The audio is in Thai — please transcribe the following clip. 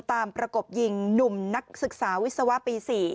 ประกบยิงหนุ่มนักศึกษาวิศวะปี๔